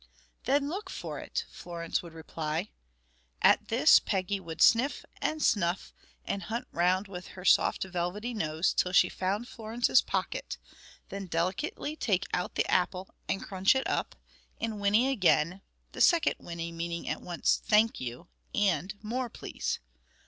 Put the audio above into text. "Then look for it!" Florence would reply. At this Peggy would sniff and snuff, and hunt round with her soft velvety nose till she found Florence's pocket, then delicately take out the apple and crunch it up, and whinny again, the second whinny meaning at once "Thank you!" and "More, please!"